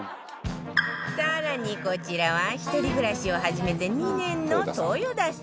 更にこちらは一人暮らしを始めて２年の豊田さんち